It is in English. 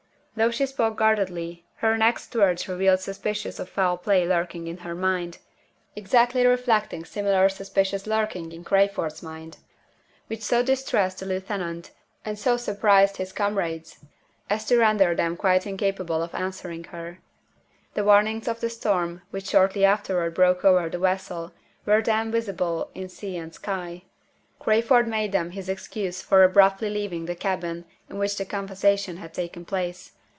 Though she spoke guardedly, her next words revealed suspicions of foul play lurking in her mind exactly reflecting similar suspicions lurking in Crayford's mind which so distressed the lieutenant, and so surprised his comrades, as to render them quite incapable of answering her. The warnings of the storm which shortly afterward broke over the vessel were then visible in sea and sky. Crayford made them his excuse for abruptly leaving the cabin in which the conversation had taken place.